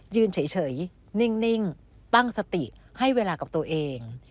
ยืนเฉยนิ่งตั้งสติให้เวลากับตัวเอง